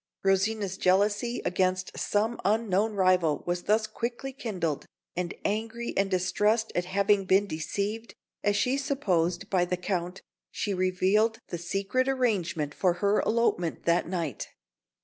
Rosina's jealousy against some unknown rival was thus quickly kindled; and angry and distressed at having been deceived, as she supposed, by the Count, she revealed the secret arrangement for her elopement that night.